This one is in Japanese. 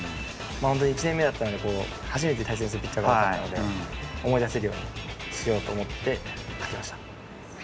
本当に１年目だったんで、初めて対戦するピッチャーが多かったので、思い出せるようにしようと思って書きました。